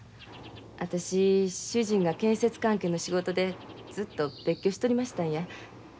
私主人が建設関係の仕事でずっと別居しとりましたんや。